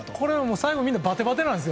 最後みんなバテバテなんですよ